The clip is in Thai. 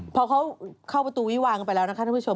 พอเขาเข้าประตูวิวางกันไปแล้วนะคะท่านผู้ชม